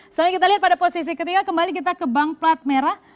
selanjutnya kita lihat pada posisi ketiga kembali kita ke bank plat merah